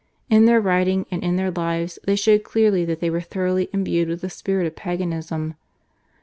In their writings and in their lives they showed clearly that they were thoroughly imbued with the spirit of Paganism.